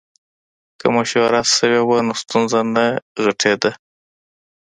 که مشوره سوې وه نو ستونزه نه غټېده.